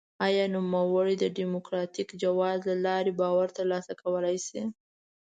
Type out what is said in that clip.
آیا نوموړی د ډیموکراټیک جواز له لارې باور ترلاسه کولای شي؟